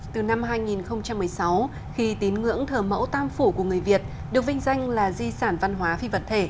từ năm hai nghìn một mươi sáu khi tín ngưỡng thờ mẫu tam phủ của người việt được vinh danh là di sản văn hóa phi vật thể